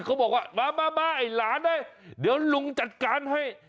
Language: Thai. เขาบอกว่ามามาไอ้หลานเดี๋ยวลุงจัดการให้